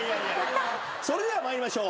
それでは参りましょう。